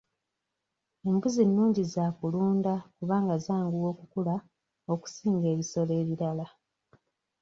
Embuzi nungi za kulunda kubanga zanguwa okukula okusinga ebisolo ebirala.